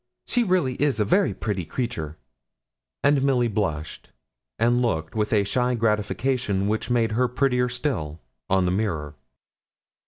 She really is a very pretty creature.' And Milly blushed, and looked with a shy gratification, which made her still prettier, on the mirror.